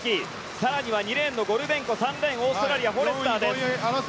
更には２レーンのゴルベンコ３レーン、オーストラリアのフォレスターです。